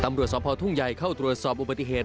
ตำรวจสภทุ่งใหญ่เข้าตรวจสอบอุบัติเหตุ